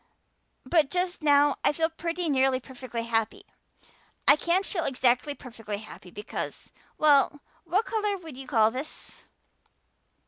But just now I feel pretty nearly perfectly happy. I can't feel exactly perfectly happy because well, what color would you call this?"